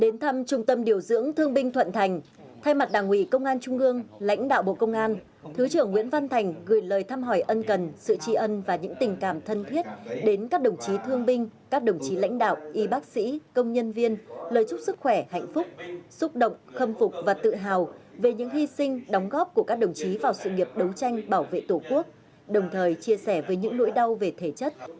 những thương binh thuận thành thay mặt đảng ủy công an trung ương lãnh đạo bộ công an thứ trưởng nguyễn văn thành gửi lời thăm hỏi ân cần sự trì ân và những tình cảm thân thiết đến các đồng chí thương binh các đồng chí lãnh đạo y bác sĩ công nhân viên lời chúc sức khỏe hạnh phúc xúc động khâm phục và tự hào về những hy sinh đóng góp của các đồng chí vào sự nghiệp đấu tranh bảo vệ tổ quốc đồng thời chia sẻ với những nỗi đau về thể chất